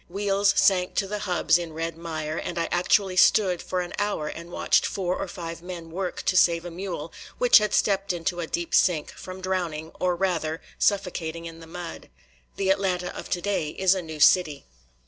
Wheels sank to the hubs in red mire, and I actually stood for an hour and watched four or five men work to save a mule, which had stepped into a deep sink, from drowning, or, rather, suffocating in the mud. The Atlanta of today is a new city.